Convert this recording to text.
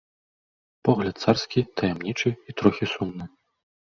Погляд царскі, таямнічы і трохі сумны.